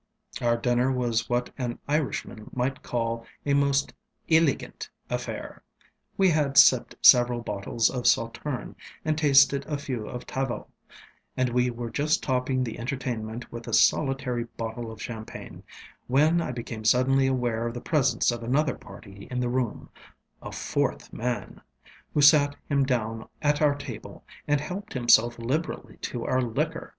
Our dinner was what an Irishman might call a most ŌĆśilligantŌĆÖ affair. We had sipped several bottles of Sauterne, and tasted a few of Tavel, and we were just topping the entertainment with a solitary bottle of champagne, when I became suddenly aware of the presence of another party in the roomŌĆöa _fourth man_ŌĆöwho sat him down at our table, and helped himself liberally to our liquor.